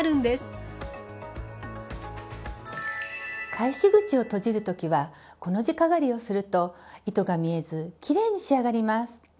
返し口を閉じる時はコの字かがりをすると糸が見えずきれいに仕上がります。